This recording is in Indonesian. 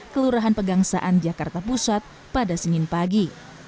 kelurahan pegangsaan jakarta pusat pada senin pagi